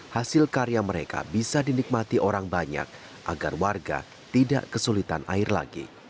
hasil karya mereka bisa dinikmati orang banyak agar warga tidak kesulitan air lagi